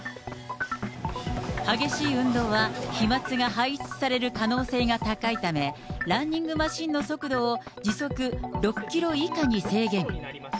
激しい運動は飛まつが排出される可能性が高いため、ランニングマシンの速度を時速６キロ以下に制限。